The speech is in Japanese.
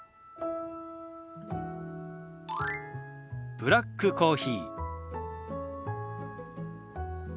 「ブラックコーヒー」。